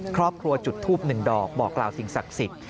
จุดทูบหนึ่งดอกบอกกล่าวสิ่งศักดิ์สิทธิ์